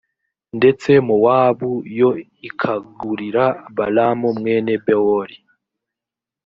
ndetse mowabu yo ikagurira balamu mwene bewori.